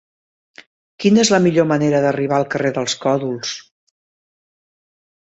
Quina és la millor manera d'arribar al carrer dels Còdols?